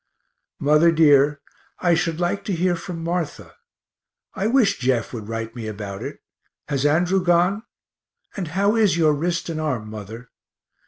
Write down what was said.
Mother dear, I should like to hear from Martha; I wish Jeff would write me about it. Has Andrew gone? and how is your wrist and arm, mother?